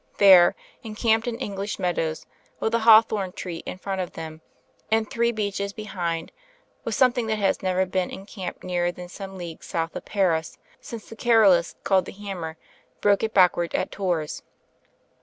There, encan^ped in Eng lish meadows, with a hawthorn tree in f rc^ut of them and three beeches behind, was something* that has never been in camp nearer than some league)^ south of Paris, since that Carolus called The Hammer broke it backward at Tours.